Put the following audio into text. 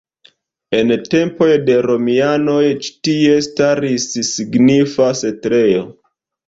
En tempoj de romianoj ĉi tie staris signifa setlejo.